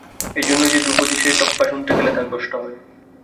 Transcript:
এইজন্য যে ধ্রুপদী, সে টপ্পা শুনতে গেলে তার কষ্ট হয়।